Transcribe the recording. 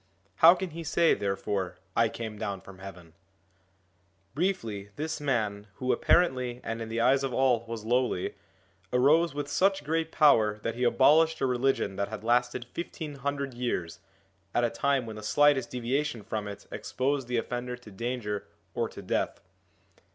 How can he say therefore, I came down from heaven ?' Briefly, this man, who apparently, and in the eyes of all, was lowly, arose with such great power that he abolished a religion that had lasted fifteen hundred years, at a time when the slightest deviation from it exposed the offender to danger or to death.